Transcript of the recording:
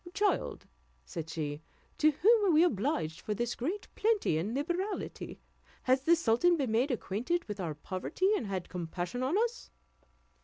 "Child," said she, "to whom are we obliged for this great plenty and liberality? Has the sultan been made acquainted with our poverty, and had compassion on us?"